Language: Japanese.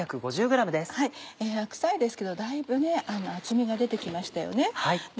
白菜ですけどだいぶ厚みが出て来ましたよね。